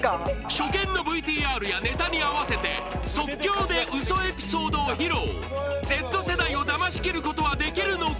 初見のＶＴＲやネタに合わせて即興でウソエピソードを披露Ｚ世代をだましきることはできるのか？